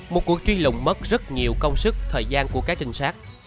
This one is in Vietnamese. một cuộc truy lùng mất rất nhiều công sức thời gian của các trinh sát